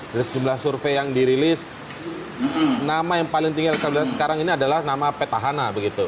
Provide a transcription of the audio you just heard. dari sejumlah survei yang dirilis nama yang paling tinggal elektabilitas sekarang ini adalah nama petahana begitu